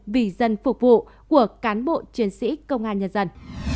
vì dân phục vụ của cán bộ chiến sĩ công an nhân dân